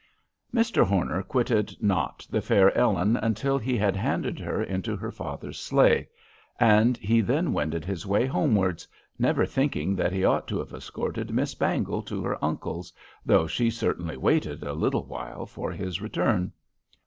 Mr. Horner quitted not the fair Ellen until he had handed her into her father's sleigh; and he then wended his way homewards, never thinking that he ought to have escorted Miss Bangle to her uncle's, though she certainly waited a little while for his return.